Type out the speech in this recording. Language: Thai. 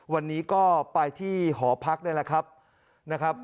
วันนี้ก็ไปที่หอพักได้แหละครับ